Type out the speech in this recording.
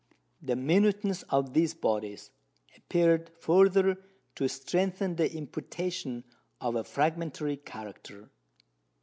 The minuteness of these bodies appeared further to strengthen the imputation of a fragmentary character.